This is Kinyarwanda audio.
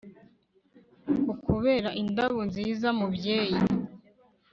kukubera indabo nziza, mubyeyi